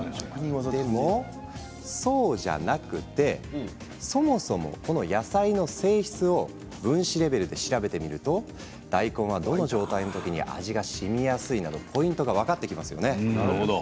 でも、そうじゃなくてそもそもこの野菜の性質を分子レベルで調べてみると大根は、どの状態の時に味がしみやすいなどポイントが分かってきますよね？